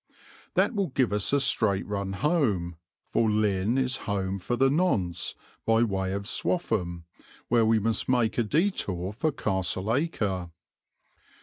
That will give us a straight run home, for Lynn is home for the nonce, by way of Swaffham, where we must make a detour for Castle Acre.